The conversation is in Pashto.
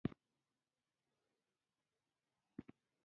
جنګ د اړيکو خرابولو او کمزوري کولو سبب دی.